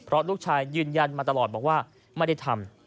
เพราะลูกชายยืนยันมาตลอดบอกว่าไม่ได้ทำ